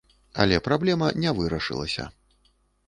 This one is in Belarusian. Але праблема не вырашылася.